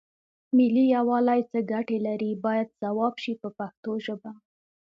ملي یووالی څه ګټې لري باید ځواب شي په پښتو ژبه.